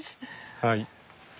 はい。